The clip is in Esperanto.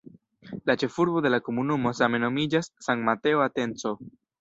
La ĉefurbo de la komunumo same nomiĝas "San Mateo Atenco".